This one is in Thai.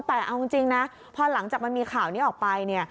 แต่จริงเนี่ยพอหลังจากมันมีข่าวนี้ไป